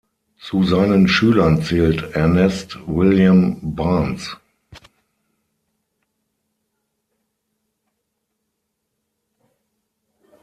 Zu seinen Schülern zählt Ernest William Barnes.